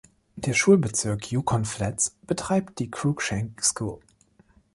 Der Schulbezirk Yukon Flats betreibt die Cruikshank School.